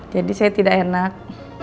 jadi saya tidak enak